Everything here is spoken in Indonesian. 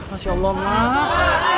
masya allah emak